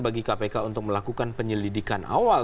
bagi kpk untuk melakukan penyelidikan awal